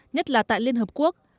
nhất là tại liên hợp quốc